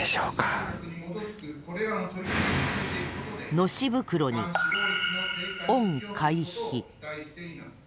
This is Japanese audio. のし袋に「御会費」。